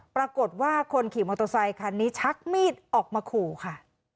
ปรากฏว่าคนขี่มอเตอร์ไซคันนี้ชักมีดออกมาขู่ค่ะ